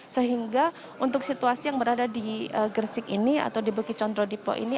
sehingga untuk situasi yang berada di gresik ini atau di bukit condro dipo ini